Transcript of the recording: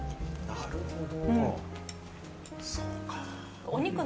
なるほど。